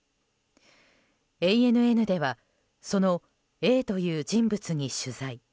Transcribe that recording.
ＡＮＮではそのＡという人物に取材。